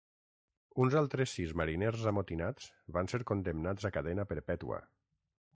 Uns altres sis mariners amotinats van ser condemnats a cadena perpètua.